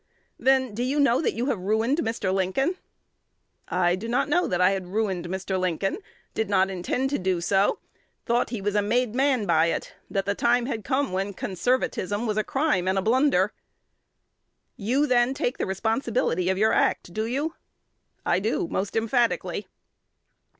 'Then do you know that you have ruined Mr. Lincoln?' 'I did not know that I had ruined Mr. Lincoln; did not intend to do so; thought he was a made man by it; that the time had come when conservatism was a crime and a blunder.' 'You, then, take the responsibility of your acts; do you?' 'I do, most emphatically.'